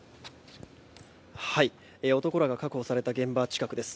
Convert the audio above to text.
男らが確保された現場近くです。